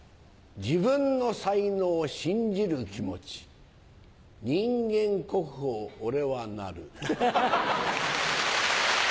自分の才能信じる気持ち人間国宝俺はなる。